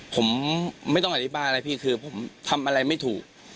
ผมไม่ต้องอธิบายอะไรพี่คือผมทำอะไรไม่ถูก